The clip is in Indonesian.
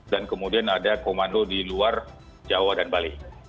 dan kemudian ada komando di luar jawa dan bali